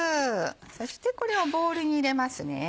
そしてこれをボウルに入れます。